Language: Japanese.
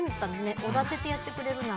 おだててやってくれるなら。